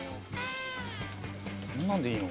こんなんでいいの？